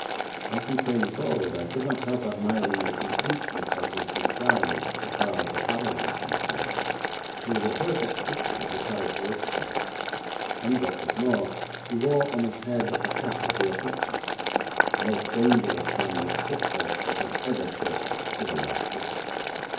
As he came forward, I could not help admiring the completeness of his disguise so far as apparel was concerned. He was a perfect picture of the Paris wastrel, and what was more, he wore on his head a cap of the Apaches, the most dangerous band of cut throats that have ever cursed a civilised city.